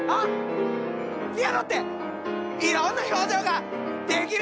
ピアノっていろんな表情ができるんだよなあ！